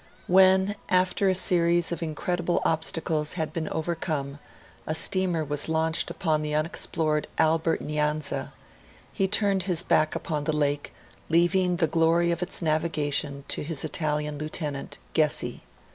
When, after a series of incredible obstacles had been overcome, a steamer was launched upon the unexplored Albert Nyanza, he turned his back upon the lake, leaving the glory of its navigation to his Italian lieutenant, Gessi.